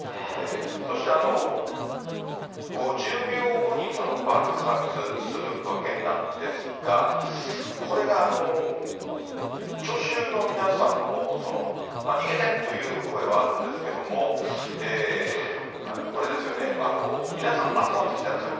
そして、５０秒後に爆発するわけなんですが、これが聴衆の皆さんも逃げてっていう声はあるんですけれども、これですよね、皆さん、集まってきてらっしゃる。